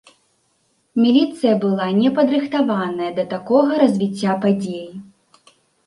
Міліцыя была непадрыхтаваная да такога развіцця падзей.